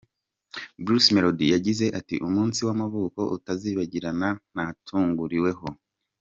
Bruce Melody yagize ati "Umunsi w'amavuko utazibagirana natunguriweho.